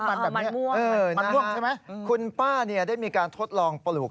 มันแบบนี้มันล่วงใช่ไหมคุณป้าเนี่ยได้มีการทดลองปลูก